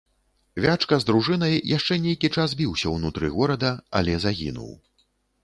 Вячка з дружынай яшчэ нейкі час біўся ўнутры горада, але загінуў.